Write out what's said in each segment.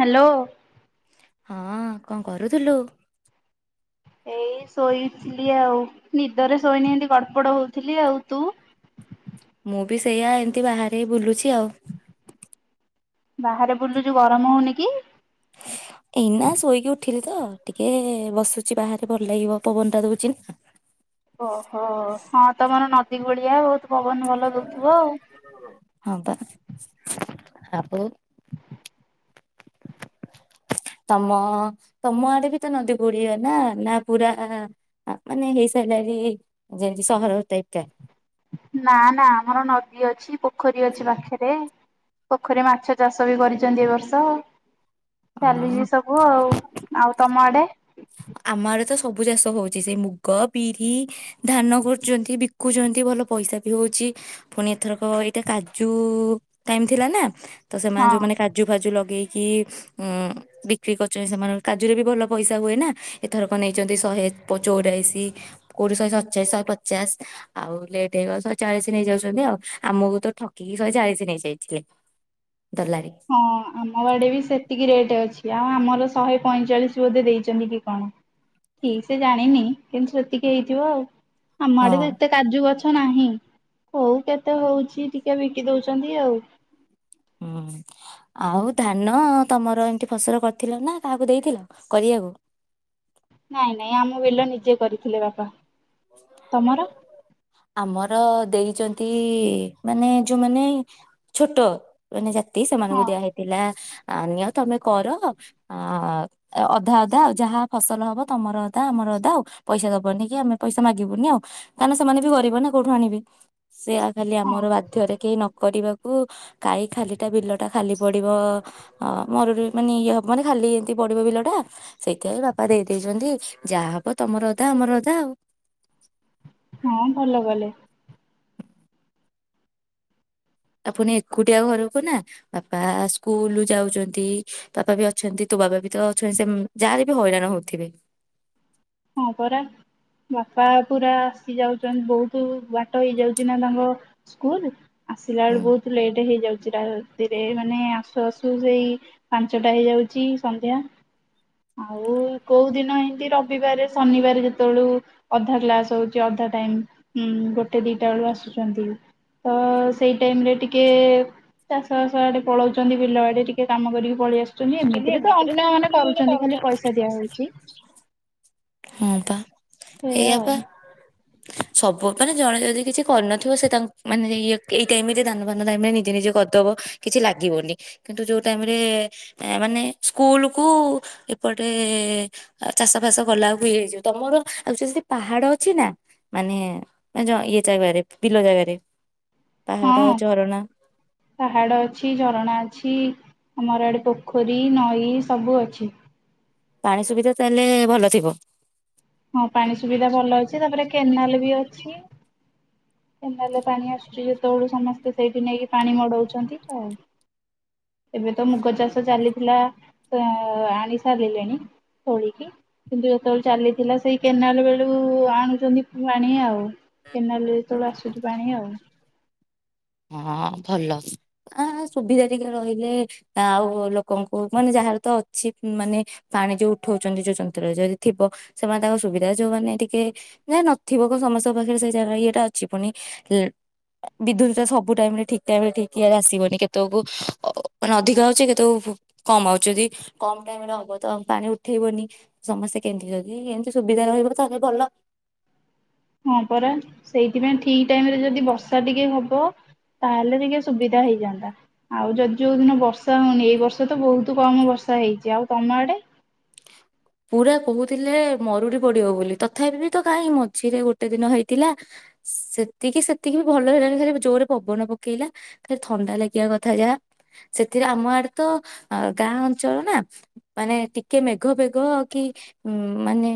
Hello ହଁଅ କଣ କରୁଥିଲୁ? ଏଇ ଶୋଇଥିଲି ଆଉ ନିଦରେ ଶୋଇନି ହେନ୍ତି ଗଡ଼ପଡ଼ ହଉଥିଲି ଆଉ ତୁ? ମୁଁ ବି ସେଇଆଏମିତି ବାହାରେ ବୁଲୁଛି ଆଉ। ବାହାରେ ବୁଲୁଚୁ ଗରମ ହଉନି କି? ଥିଲି ତ ଟିକେ ବସୁଛି ବାହାରେ ଭଲ ଲାଗିବ ପବନ ଟା ଦଉଛି ନା। ଓହୋଓ ହଁ ତମର ନ ସେଇ ଭଳିଆ ଆଉ। ପବନ ଭଲ ଦଉଥିବ ଆଉ। [unintelligible] [inaudible] ତମ ତମ ଆଡେ ବି ତ ନଦୀ ପଡିିବ ନା ନା ପୁରା ମାନେ ହେଇ ସାରିଲାଣି ଯେମିତି ସହର ଟାଇପ ଟା। ନା ନା ଆମର ନଦୀ ଅଛି ପୋଖରୀ ଅଛି ପାଖରେ ପୋଖରୀରେ ମାଛ ଚାଷ ବି କରିଛନ୍ତି ଏ ବର୍ଷ। ହଁ ଚାଲିଛି ସବୁ ଆଉ ଆଉ ତମ ଆଡେ? ଆମ ଆଡେ ତ ସବୁ ଚାଷ ହଉଛି ସେ ମୁଗ ବିରି ଧାନ କରୁଛନ୍ତି ବିକୁଛନ୍ତି ଭଲ ପଇସା ବି ହଉଛି ପୁଣି ଏଥରକ ଏଇଟା କାଜୁ ଟାଇମ ଥିଲା ନା। ତ ସେମାନେ ହଁ। ଯୋଉମାନେ କାଜୁ ଫାଜୁ ଲଗେଇ କି ଉଁ ବିକ୍ରି କରୁଛନ୍ତି ସେମାନଙ୍କ କାଜୁରେ ବି ଭଲ ପଇସା ହୁଏ ନା ଏଥରକ ନେଇଛନ୍ତି ଶହେଚଉରାଳିଶି କୋଉଠି ଶହେସତଚାଶି ଶହେପଚାଶ ଆଉ ରେଟ୍ ହେଇଗଲେ ଶହେ ଚାଳିଶି ନେଇଯାଉଛନ୍ତି ଆଉ ଆମକୁ ତ ଠକିକି ଶହେ ଚାଳିଶି ନେଇଯାଇଥିଲେ। ଦଲାରି ହଁ ଆମ ଆଡେ ବି ସେତିକି ରେଟ୍ ଅଛି। ଆଉ ଆମର ଶହେ ପଇଁଚାଳିଶ ବୋଧେ ଦେଇଛନ୍ତି କି କଣ ଠିକ ସେ ଜାଣିନି କେମିତି ସେତିକି ହେଇଥିବ ଆଉ। ହଁ ଆମଆଡେ ତ ଏତେ କାଜୁ ଗଛ। ନାହିଁ କୋଉ କେତେ ହଉଛି ଟିକେ ବିକି ଦଉଛନ୍ତି ଆଉ। ହୁଁ ଆଉ ଧାନ ତମର ଏମିତି ଫସଲ କରିଥିଲ ନା କାହାକୁ ଦେଇଥିଲ କରିବାକୁ। ନାଇଁ ନାଇଁ ଆମ ବିଲ ନିଜେ କରିଥିଲେ ବାପା। ତମର? ଆମର ଦେଇଛନ୍ତି ମାନେ ଯୋଉମାନେ ଛୋଟ ମାନେ ସେମାନଙ୍କୁ ହଁ ଦିଆ ହେଇଥିଲା ଆ ନିଅ ତମେ କର ଆ ଅଧା ଅଧା ଆଉ ଯାହା ଫସଲ ହବ ତମର ଅଧା ଆମର ଅଧା ଆଉ ପଇସା ଦବନି କି ଆମେ ପଇସା ମାଗିବୁନି ଆଉ କାରଣ ସେମାନେ ବି ଗରୀବନା କୋଉଠୁ ଆଣିବେ? ସେୟା ଖାଲି ହଁ ଆମର ବାଧ୍ୟରେ କେହି ନ କରିବାକୁ କାଇଁ ଖାଲିଟା ବିଲ ଟା ଖାଲି ପଡିବ ମରୁ ମାନେ ଇଏ ହବ ମାନେ ଖାଲି ଏମିତି ପଡିବ ବିଲ ଟା ସେଇଥିପାଇଁ ବାପା ଦେଇଦେଇଛନ୍ତି ଯାହା ହବ ତମର ଅଧା ଆମର ଅଧା ଆଉ। ହଁ ଭଲ କ। ଆପୁଣି ଏକୁଟିଆ ଘରକୁ ନା ବାପା ସ୍କୁଲ ଯାଉଛନ୍ତି ବାପା ବି ଅଛନ୍ତି ତୋ ବାବା ବି ତ ଅଛନ୍ତି ସେ ଯାହାର ବି ହଇରାଣ ହଉଥିବେ। ହଁ ପରା ବାପା ପୁରା ଆସିଯାଉଛନ୍ତି ବହୁତ ବାଟ ହେଇଯାଉଛି ନା ତାଙ୍କ ସ୍କୁଲ ଆସିଲା ହୁଁ। ବେଳେ ବହୁତ ଲେଟ୍ ହେଇଯାଉଛି ରାତିରେ ମାନେ ଆସୁ ଆସୁ ସେଇ ପାଞ୍ଚଟା ହେଇଯାଉଛି ସନ୍ଧ୍ୟା ଆଉ କୋଉ ଦିନ ଏମିତି ର ବିବାରେ ଶନିବାରେ ଯେତେବେଳୁ ଅଧା କ୍ଲାସ ହଉଛି ଅଧା ଟାଇମ ଗୋଟେ ଦିଟା ବେଳୁ ଆସୁଛନ୍ତି ତ ସେଇ ଟାଇମରେ ଟିକେ ଚାଷ ଆଡେ ପଳାଉଛନ୍ତି ବିଲ ଆଡେ ଟିକେ କାମ କରିକି ପଳେଇ ଆସୁଛନ୍ତି ଏମିତିରେ ତ ଅନ୍ୟ ମାନେ କରୁଛନ୍ତି ଖାଲି ପଇସା ଦିଆ ହଉଛି। ହଁ ବା। ସେଇଆ ଏଇଆ ଆଉ ପା। ସବୁ ମାନେ ଜଣେ ଯଦି କିଛି କରିନଥିବ ସେ ତା ମାନେ ଇ ଏଇ ଟାଇମ ରେ ଦାନବାନ ଟାଇମ ରେ ନିଜେ ନିଜେ କରିଦବ କିଛି ଲାଗିବନି କିନ୍ତୁ ଯୋଉ ଟାଇମ ରେ ମାନେ ସ୍କୁଲ କୁ ଏପଟେ ଚାଷ ଫାସ କଲା ଯିବ ତମର ଆଉ ଯେ ସେ ପାହାଡ ଅଛି ନା ମାନେ ଇଏ ଜାଗାରେ ବିଲ ଜାଗାରେ। ପାହାଡ ହଁ ଝରଣା ପାହାଡ ଅଛି ଝରଣା ଅଛି। ଆମର ଆଡେ ପୋଖରୀ ନଈ ସବୁ ଅଛି। ପାଣି ସୁବିଧା ତାହେଲେ ଭଲ ଥିବ। ହଁ ପାଣି ସୁବିଧା ଭଲ ଅଛି ତାପରେ କେନାଲ ବି ଅଛି ଏଲେ ପାଣି ଆସୁଛି ଯେତେବେଳୁ ସମସ୍ତେ ସେଇଠି ନେଇକି ପାଣି ମଡଉଛନ୍ତି ଆଉ ଏବେ ତ ମୁଗ ଚାଷ ଚାଲିଥିଲା ଆଣି ସାରିଲେଣି ତୋଳିକି କିନ୍ତୁ ଯେତେବେଳେ ଚାଲି ଥିଲା ସେଇ କେନାଲ ବେଳୁ ଆଣୁଛନ୍ତି ପାଣି ଆଉ କେନାଲ ଯେତେ ବେଳେ ଆସୁଛି। ଏଠି ପାଣି ଆଉ। ହଁ ଭଲ ଆ ସୁବିଧା ଟିକେ ରହିଲେ ଆଉ ଲୋକଙ୍କୁ ମାନେ ଯାହାର ତ ଅଛି ମାନେ ପାଣି ଯୋଉ ଉଠଉଛନ୍ତି ଯୋଉ ଯନ୍ତ୍ର ଯଦି ଥିବ ସେମାନେ ତାଙ୍କ ସୁବିଧା ଯୋଉମାନୋନ ଟିକେ ଯ ନଥିବ ସମସ୍ତଙ୍କ ପାଖରେ ସେ ଜାଗା ଇଏଟା ଅଛି ପୁଣି ବିଦ୍ୟୁତ ସବୁ ଟାଇମ ରେ ଠିକ ଟାଇମ ରେ ଠିକ ଇରେ ଆସିବନି କେତେକୁ ନଦିକା ହାଉଛି କେତେ କମାଉ ଯ କମ ଟାଇମ ରେ ହବ ତ ପାଣି ଉଠେଇବନି ସମସ୍ତେ କେମତି ଯଦି ଏମିତି ସୁବିଧା ରହିବ ତାହେଲେ ଭଲ। ହଁ ପରା ସେଇଥିପାଇଁ ଠିକ ଟାଇମ ରେ ଯଦି ବର୍ଷା ଟିକେ ହବ ତାହେଲେ ଟିକେ ସୁବିଧା ହେଇଯାନ୍ତା ଆଉ ଯଦି ଯୋଉ ଦିନ ବର୍ଷା ହଉନି ଏଇ ବର୍ଷ ତ ବହୁତ କମ ବର୍ଷା ହେଇଛି ଆଉ ତମ ଆଡେ ପୁରା କହୁଥିଲେ ମରୁଡି ପଡିବ ବୋଲି ତଥାପି ବି ତ କାହିଁ ମଝିରେ ଗୋଟେ ଦିନ ହେଇଥିଲା ସେତିକି ସେତିକି ବି ଭଲ ହେଇଗଣି ଖଲି ଯୋଉରେ ପବନ ପକେଇଲା ଖଲି ଥଣ୍ଡା ଲାଗିବା କଥା ଯାହା ସେଥିରେ ଆମ ଆଡେ ତ ଗାଁ ଅଞ୍ଚଳ ନା ମାନେ ଟିକେ ମେଘ ବେଘ ଗ କି ଉ ମାନେ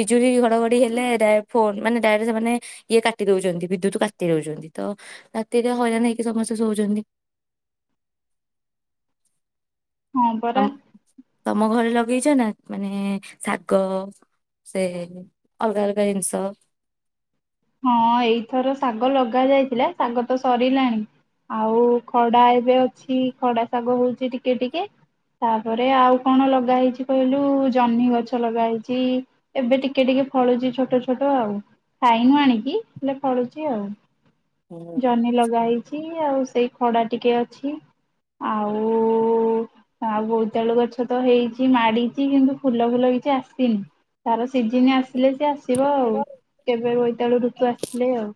ବିଜୁଳି ଘଡଘଡି ହେଲେ ଡାଇରେକ୍ଟ ଫୋନ୍ ମାନେ ଡାଇରେକ୍ଟ ସେମାନେ ଇଏ କାଟି ଦଉଛନ୍ତି ବିଦ୍ୟୁତ କାଟି ଦଉଛନ୍ତି ତ ରାତିରେ ହଇରାଣ ହେଇକି ସମସ୍ତେ ଶୋଉଛନ୍ତି। ହଁ ତ ପରା ତମ ଘରେ ଲ ଲଗେଇଛ ନା ମାନେ ଶାଗ ସେ ଅଲଗା ଅଲଗା ଜିନିଷ। ହଁ ଏଇଥର ଶାଗ ଲଗା ଯାଇଥିଲା ଶାଗ ତ ସରିଲାଣି ଆଉ ଖଡା ଏବେ ଅଛି ଖଡା ଶାଗ ହଉଛି ଟିକେ ଟିକେ ତାପରେ ଆଉ କଣ ଲଗା ହେେଇଛି କହିଲୁ ଜହ୍ନି ଗଛ ଲଗା ହେଇଛି ଏବେ ଟିକେ ଟିକେ ଫଳୁଛି ଛୋଟ ଛୋଟ ଆଉ ଖାଇ ଏଇ ନା ଆଣିକି ହେଲେ ପଳୁଛି ଆଉ। ହୁଁ ଜହ୍ନି ଲଗା ହେଇଛି। ଆଉ ସେଇ ଖଡା ଟିକେ ଅଛି ଆଉ ଆଉ ବୋଇତାଳୁ ଗଛ ତ ହେଇଛି ମାଡିଛି କିନ୍ତୁ ଫୁଲ ଫୁଲ କିଛି ଆସିନି ତାର ସିଜିନ ଆସି ଥିଲେ ସେ ଆସିବ ଆଉ କେବେ କୋଇ ବେଳୁ ଋତୁ ଆସି ଥିଲେ ଆଉ।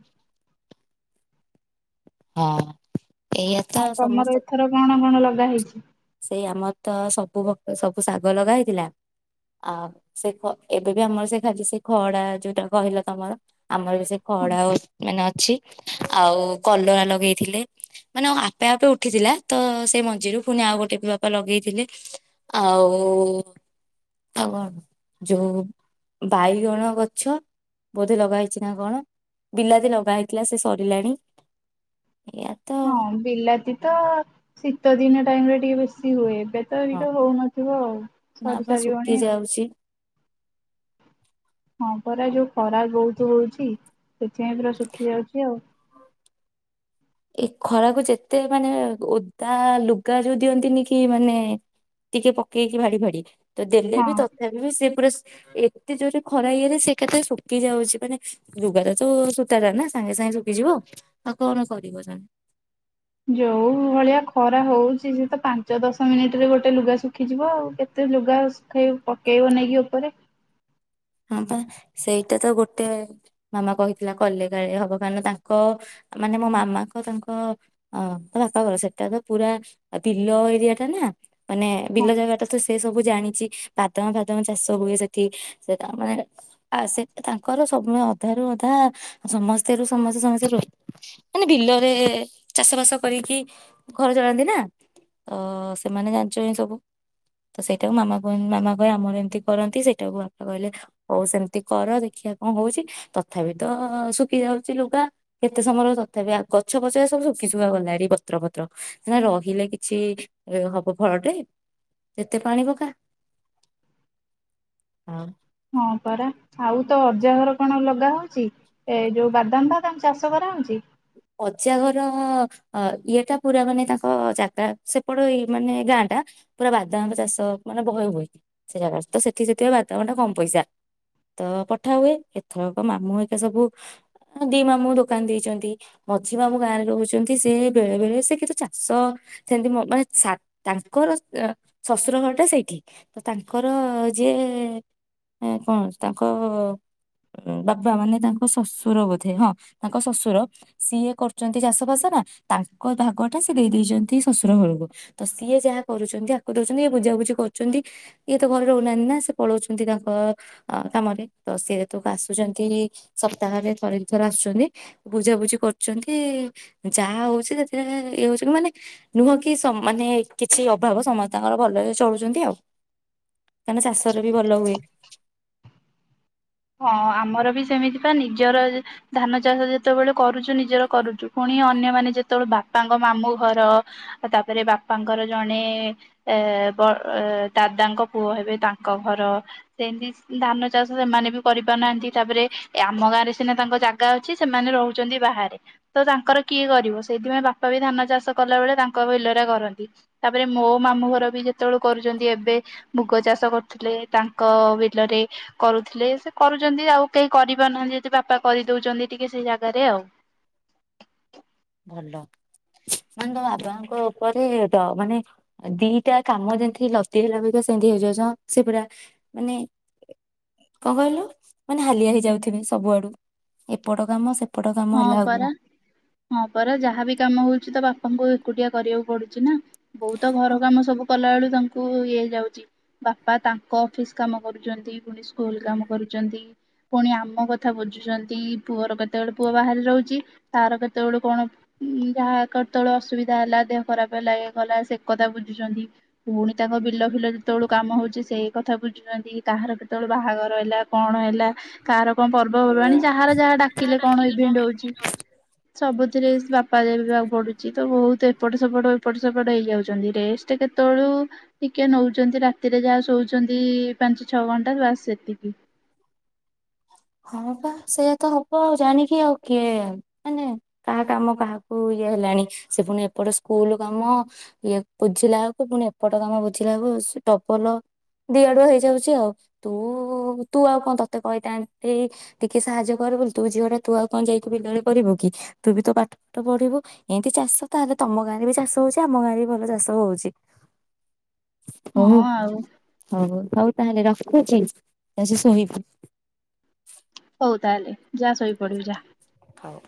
ହଁ ଏଇଆ ତ ଆଉ ତମର ସମସ୍ତ ଏଥର କଣ କଣ ଲଗ ରହିଛି। ସେଇ ଆମର ତ ସବୁ ଭ ସବୁ ଶାଗ ଲଗା ହେଇଥିଲା ଆଉ ସେ ଏବେ ବି ଆମର ସେ ଖା ସେ ଖଡା ଯୋଉଟା କହିଲା ତମର ଆମର ବି ସେ ଖଡା ଆଉ ଏନା ଅଛି ଆଉ କଲରା ଲଗେଇଥିଲେ ମାନେ ଆପେ ଆପେ ଉଠିଥିଲା ତ ସେଇ ମଞ୍ଜିରୁ ପୁଣି ଆଉ ଗୋଟେ ଟେପି ବାପା ଲଗେଇଥିଲେ ଆଉ ଆଉ କଣ ଯୋଉ ବାଇଗଣ ଗଛ ବୋଧେ ଲଗା ହେଇଛି ନା କଣ ବିଲାତି ଲଗା ହେଇଥିଲା ସେ ସରିଲାଣି। ଏଇଆ ତ ହଁ ବିଲାତି ତ ଶୀତ ଦିନ। ଟାଇମ ରେ ଟିକେ ବେଶୀ ହୁଏ। ହଁ [unintelligible] ହଉନଥିବ ଆଉ ନା ସରି ବା ଶୁଖି ସାରିବଣି ଆଉ। ଯାଉଛି। ହଁ ପରା ଯୋଉ ଖରା ବହୁତ ହଉଚି ସେଥିପାଇଁ ପୁରା ଶୁଖି ଯାଉଚି ଆଉ। ଏ ଖରାକୁ ଯେତେ ମାନେ ଓଦା ଲୁଗା ଯୋଉ ଦିଅନ୍ତିନି କି ମାନେ ଟିକେ ପକେଇକି ଭାଡି ଫାଡି। ତ ଦେଲେ ହଁ ବି ତଥାପି ବି ସେ ପୁରା ଏତେ ଜୋରେ ଖରା ଇଏରେ ସେ ଏକାଥରେ ଶୁକି ଯାଉଚି। ମାନେ ଲୁଗାଟା ତ ସୂତାଟା ନା ସାଙ୍ଗେ ସାଙ୍ଗେ ଶୁକିଯିବ ଆଉ କଣ? କରିବ [unintelligible] ଯୋଉ ଭଳିଆ ଖରା ହଉଚି ସେ ତ ପାଞ୍ଚ ଦଶ ମିନିଟ ରେ ଗୋଟେ ଲୁଗା ଶୁଖିଯିବ ଆଉ କେତେ ଲୁଗା ଶୁଖେଇ ପକେଇବ ନେଇକି ଓପରେ। ହଁ ପା ସେଇଟା ତ ଗୋଟେ ମାମା କହିଥିଲା କଲେକାଳେ ହବ କାରଣ ତାଙ୍କ ମାନେ ମୋ ମାମାଙ୍କ ତାଙ୍କ ଅ ବାପାଙ୍କର ସେଟା ତ ପୁରା ବିଲ ଏରିଆ ଟା ନା। ମାନେ ହଁ ବିଲ ଜାଗାଟା ତ ସେ ସେ ସବୁ ଜାଣିଚି ବାଦାମ ଫାଦମ ଚାଷ ହୁଏ ସେଠି। ସେ ତା ଆମେ ଆସେ ତାଙ୍କର ସବୁ ଅଧାରୁୁ ଅଧା ସମସ୍ତେ ରୁ ସମସ୍ତେ ସମସ୍ତେ ରୋ ମାନେ ବିଲରେ ଚାଷ ବାସ କରିକି ଘର ଚଳାନ୍ତି ନା ତ ସେମାନେ ଜାଣିଚନ୍ତି ସବୁ ତ ସେଇଟାକୁ ମାମା କୁଏ ମାମା କଏ ଆମର ଏମିତି କରନ୍ତି ସେଇଟାକୁ କଇଲେ ହଉ ସେମିତି କର ଦେଖିବା କଣ ହଉଚି ତଥାପି ତ ଶୁକି ଯାଉଚି ଲୁଗା କେତେ ସମୟ ର ତଥାପି ଗଛ ପଛ ରା ସବୁ ଶୁଖି ଶୁଖା ଗଲାଣି ପତ୍ର ଫତ୍ର ନା ରହିଲେ କିଛି ହବ ଫଳଟେ ଯେତେ ପାଣି ପକା। ହଁ। ହଁ ପରା ଆଉ ତ ଅଜାଘର କଣ ଲଗା ହଉଚି ଏ ଯୋଉ ବାଦାମ ଫାଦାମ ଚାଷ କରାହଉଚି। ଅଜା ଘର ଇଏ ଟା ପୁରା ମାନେ ତାଙ୍କ ଜାଗା ସେପଟ ଇ ମାନେ ଗାଁ ଟା ପୁରା ବାଦାମ ଚାଷ ମାନେ ବହେ ହୁଏ ସେ ଜାଗା ତ ସେଠି ସେଥିପାଇଁ ବାଦାମ ଟା କମ ପଇସା ତ ପଠା ହୁଏ ଏଥରକ ମାମୁଁ ହେକା ସବୁ ଦି ମାମୁଁ ଦୋକାନ ଦେଇଚନ୍ତି। ମଝି ମାମୁଁ ଗାଁରେ ରହୁଚନ୍ତି ।ସେ ବେଳେ ବେଳେ ସେ କିତୁ ଚାଷ ସେମିତି ମାନେ ତାଙ୍କର ଶଶୁର ଘରଟା ସେଇଠି ତ ତାଙ୍କର ଯିଏ କଣ ତାଙ୍କ ବାବା ମାନେ ତାଙ୍କ ଶଶୁର ବୋଧେ ହଁ ତାଙ୍କ ଶଶୁର ସିଏ କରୁଚନ୍ତି ଚାଷ ବାସ ନା ତାଙ୍କ ଭାଗ ଟା ସିଏ ଦେଇ ଦେଇ ଦେଇଚନ୍ତି ଶଶୁର ଘରକୁ ତ ସିଏ ଯାହା କରୁଚନ୍ତି ଆକୁ ଦଉଚନ୍ତି ଇଏ ବୁଝାବୁଝି କରୁଚନ୍ତି ଇଏ ତ ଘରେ ରହୁନାହାନ୍ତି ନା ସେ ପଳଉଚନ୍ତି ତାଙ୍କ କାମରେ ତ ସିଏ ଯେତୁ ଆସୁଚନ୍ତି ସପ୍ତାହରେ ଥରେ ଦି ଥର ଆସୁଚନ୍ତି ବୁଝାବୁଝି କରୁ ଚନ୍ତି ଯାହା ହଉଛି ସେଥିରେ ଇଏ ହଉଚି ମାନେ ନୁହଁ କି ସ ମାନେ କିଛି ଅଭାବ ସମସ୍ତଙ୍କର ଭଲରେ ଚଳୁଚନ୍ତି ଆଉ। ମାନେ ଚାଷରେ ବି ଭଲ ହୁଏ। ହଁ ଆମର ବି ସେମିତି ପା ନିଜର ଧାନ ଚାଷ ଯେତେବେଳେ କରୁଚୁ ନିଜର କରୁଚୁ ପୁଣି ଅନ୍ୟମାନେ ଯେତବେଳେ ବାପାଙ୍କ ମାମୁଁ ଘର ତାପରେ ବାପାଙ୍କର ଜଣେ ଏ ବ ଦାଦାଙ୍କ ପୁଅ ହେବେ ତାଙ୍କ ଘର ସେମିତି ଧାନ ଚାଷ ସେମାନେ ବି କରିପାରୁନାହାନ୍ତି ତାପରେ ଆମ ଗାଁରେ ସିନା ତାଙ୍କ ଜାଗା ଅଛି ସେମାନେ ରହୁଚନ୍ତି ବାହାରେ। ତ ତାଙ୍କର କିଏ କରିବ? ସେଇଥିପାଇଁ ବାପା ବି ଧାନ ଚାଷ କଲା ବଳେ ତାଙ୍କ ବିଲରେ କରନ୍ତି ତାପରେ ମୋ ମାମୁଁ ଘର ବି ଯେତବେଳ କରୁଚନ୍ତି ଏବେ ମୁଗ ଚାଷ କରୁଥିଲେ ତାଙ୍କ ବିଲରେ କରୁଥିଲେ। କରୁଚନ୍ତି ଆଉ କେହି କରିପାରୁନାହାନ୍ତି ଯଦି ବାପା କରିଦଉଚନ୍ତି ଟିକେ ସେଇ ଜାଗାରେ ଆଉ। ଭଲ ମାନେ ତୋ ବାବାଙ୍କ ଉପରେ ଡ ମାନେ ଦିଟା କାମ ଯେମତି ଲଦି ହେଲା ଭଳିକା ସେମତି ହେଇଯାଉଚି ସେ ପୁରା ମାନେ କଣ କଇଲୁ ମାନେ ହାଲିଆ ହେଇଯାଉଥିବେ ସବୁଆଡୁ ଏପଟ କାମ ସେ ଏପଟ କାମ ହଁ ହେଲା ପରା। [unintelligible] ହଁ ପରା ଯାହା ବିି କାମ ହଉଚି ତ ବାପାଙ୍କୁ ଏକୁଟିଆ କରିବାକୁ ପଡୁଚି ନା। ବଉ ତ ଘର କାମ ସବୁ କଲା ବେଳୁ ତାଙ୍କୁ ଇଏ ହେଇଯାଉଚି ବାପା ତାଙ୍କ ଅଫିସ କାମ କରୁଚନ୍ତି ପୁଣି ସ୍କୁଲ କାମ କରୁଚନ୍ତି ପୁଣି ଆମ କଥା ବୁଝୁଚନ୍ତି ପୁଅର କେତେବେଳେ ପୁଅ ବାହାରେ ରହୁଚି ତାର କେତେବେଳୁ କଣ ଉ ଯାହା କେତେବେଳେ ଅସୁବିଧା ହେଲା ଦେହ ଖରାପ ହେଲା ଏ କଲା ସେ କତା ବୁଝୁଚନ୍ତି ପୁଣି ତାଙ୍କ ବିଲ ଫିଲ ଯେତବେଳୁ କାମ ହଉଚି ସେଇ କଥା ବୁଝୁଚନ୍ତି କାହାର କେତବେଳେ ବାହାଘର ହେଲା କଣ ହେଲା କାହାର କଣ ପର୍ବ ହୁଁ ପର୍ବାଣି ଯାହାର ଯାହା ଡାକିଲେ କଣ ଇଭେଣ୍ଟ ହଉଚି ସବୁ ଥିରେ ବାପା ଦେଖିବାକୁ ପଡୁଚି ତ ବହୁତ ଏପଟ ସେପଟ ଏପଟ ସେପଟ ହେଇଯାଉଚନ୍ତି ରେଷ୍ଟ କେତବେଳୁ ଟିକେ ନଉଚନ୍ତି ରାତିରେ ଯାହା ଶୋଉଚନ୍ତି ପାଞ୍ଚ ଛଅ ଘଣ୍ଟା ବାସ୍ ସେତିକି। ହଁ ପା ସେଇଆା ତ ହବ ଆଉ ଜାଣିକି ଆଉ କିଏ ମାନେ କାହା କାମ କାହାକୁ ଇଏ ହେଲାଣି ସେ ପୁଣି ଏପଟ ସ୍କୁଲ କାମ ଇଏ ବୁଝିଲା ବେକୁ ପୁଣି ଏପଟ କାମ ବୁଝିଲା ବେକୁ ଟବଲ ଦିଆଡୁ ହେଇଯାଉଚି ଆଉ ତୁ ତୁ ଆଉ କଣ ତତେ କହିଥାନ୍ତି ଟିକେ ସାହାଯ୍ୟ କର ବୋଲି ତୁ ଝିଅ ଟା ତୁ ଆଉ କଣ ଯାଇକି ବିଲରେ କରିବୁ କି ତୁ ବି ତୋ ପାଠ ପାଠ ପଢିବୁ ଏମିତି ଚାଷ ତାହେଲେ ତମ ଗାଁରେ ବି ଚାଷ ହଉଚି ଆମ ଗାଁରେ ବି ଭଲ ଚାଷ ହଉଚି। ହଁ ହଉ ଆଉ ହଉ ହଉ ତାହେଲେ ରଖୁଚି ଆ ସେ ଶୋଇବୁ। ହଉ ତାହେଲେ ଯା ଶୋଇପଡିବୁ ଯା। ହଉ।